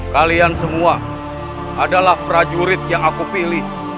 kalian semua adalah prajurit yang aku pilih